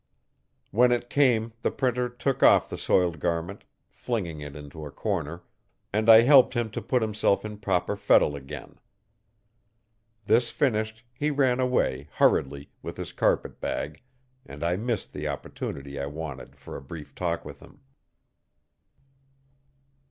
When it came the Printer took off the soiled garment, flinging it into a corner, and I helped him to put himself in proper fettle again. This finished, he ran away, hurriedly, with his carpet bag, and I missed the opportunity I wanted for a brief talk with him.